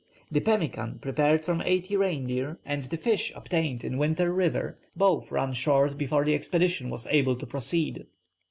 The pemmican prepared from eighty reindeer and the fish obtained in Winter River both run short before the expedition was able to proceed.